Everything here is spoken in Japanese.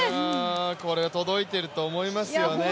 これ届いていると思いますよね。